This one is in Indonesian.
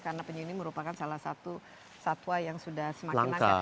karena penyuh ini merupakan salah satu satwa yang sudah semakin laka